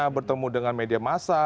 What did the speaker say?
bertemu dengan media massa